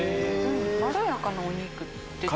まろやかなお肉。